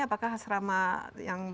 apakah asrama yang